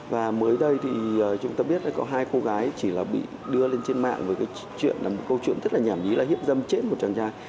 và mới đây thì chúng ta biết là có hai cô gái chỉ là bị đưa lên trên mạng với cái chuyện là một câu chuyện rất là nhảm nhí là hiếp dâm chết một chàng trai